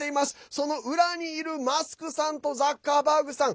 その裏にいるマスクさんとザッカーバーグさん。